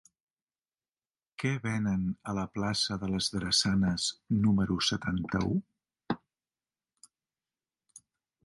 Què venen a la plaça de les Drassanes número setanta-u?